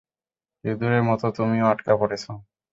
ইঁদুরের মতো, তুমিও আটকা পড়েছো।